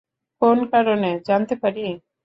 কোন কারণে জানতে পারি?